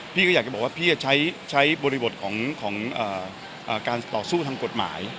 พี่ก็อยากจะบอกว่าพี่จะใช้บริบทของการต่อสู้ทางกฎหมาย